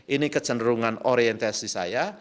ini kecenderungan orientasi saya